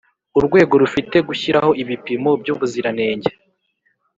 Urwego rufite gushyiraho ibipimo by ubuziranenge